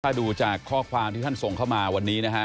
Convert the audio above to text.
ถ้าดูจากข้อความที่ท่านส่งเข้ามาวันนี้นะฮะ